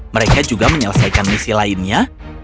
mereka juga menyelesaikan misi lainnya